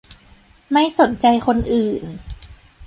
ไม่สนใจคนอื่น